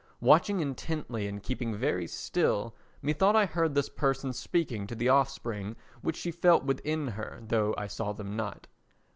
Watching intently and keeping very still, methought I heard this person speaking to the offspring which she felt within her though I saw them not.